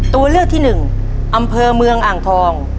ตัวเลือกที่หนึ่งอำเภอเมืองอ่างทอง